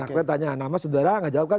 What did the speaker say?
wah nanti tanya nama saudara nggak jawab kan